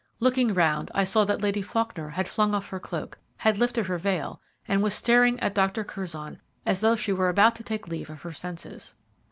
Looking round, I saw that Lady Faulkner had flung off her cloak, had lifted her veil, and was staring at Dr. Curzon as though she were about to take leave of her senses.